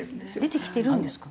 出てきてるんですか？